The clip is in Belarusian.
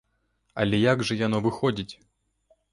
Але як жа яно выходзіць?